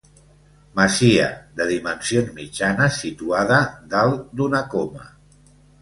Masia de dimensions mitjanes situada dalt d'una coma.